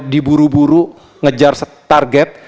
diburu buru ngejar target